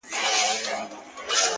تا په درد كاتــــه اشــــنــــا،